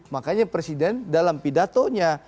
makanya presiden dalam pidatonya